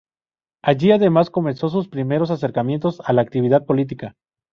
Allí además comenzó sus primeros acercamientos a la actividad política.